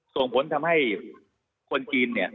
ส่งผลทำให้คนจีนเนี่ย